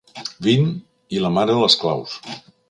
Vint i la mare les claus.